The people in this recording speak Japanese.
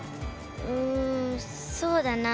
うんそうだな。